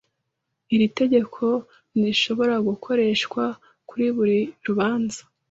Iri tegeko ntirishobora gukoreshwa kuri buri rubanza.